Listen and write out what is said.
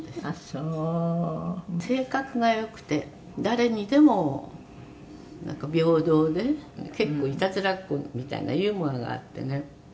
「そう」「性格が良くて誰にでも平等で結構いたずらっ子みたいなユーモアがあってね